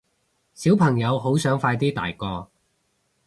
小朋友好想快啲大個